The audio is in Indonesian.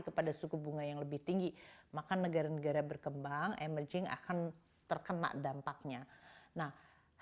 kepada suku bunga yang lebih tinggi maka negara negara berkembang emerging akan terpengaruh